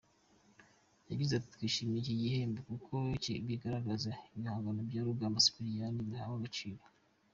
Yagize ati “Twishimiye iki gihembo kuko bigaragaza ko ibihangano bya Rugamba Sipiriyani bihawe agaciro.